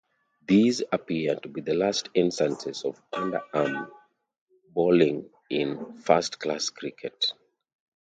These appear to be the last instances of underarm bowling in first-class cricket.